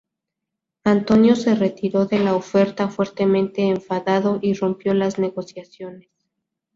Antonio se retiró de la oferta fuertemente enfadado y rompió las negociaciones.